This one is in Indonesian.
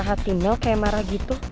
hati mil kayak marah gitu